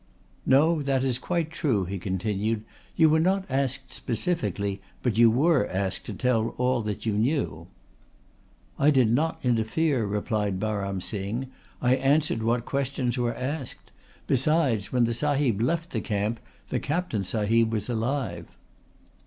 "No, that is quite true," he continued, "you were not asked specifically, but you were asked to tell all that you knew." "I did not interfere," replied Baram Singh. "I answered what questions were asked. Besides, when the sahib left the camp the Captain sahib was alive."